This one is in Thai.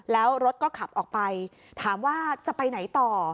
แล้วรถก็ขับออกไปถามว่าจะไปไหนต่อ